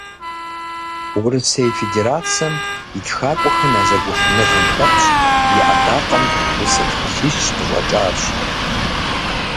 Урысей Федерацэм и ТхакӀуэхэм я зэгухьэныгъэм хэтщ, и Ӏэдакъэм усэ тхылъищ къыщӀэкӀащ.